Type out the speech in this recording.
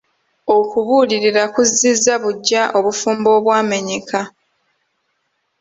Okubuulirira kuzizza buggya obufumbo obwamenyeka.